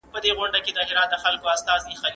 آنلاین مواد زموږ پوهه زیاتوي.